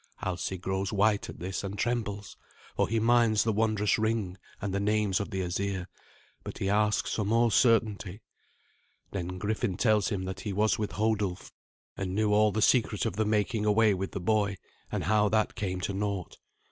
Alsi grows white at this and trembles, for he minds the wondrous ring and the names of the Asir, but he asks for more certainty. Then Griffin tells him that he was with Hodulf, and knew all the secret of the making away with the boy, and how that came to naught.